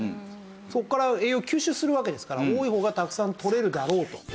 そこから栄養を吸収するわけですから多い方がたくさんとれるだろうと。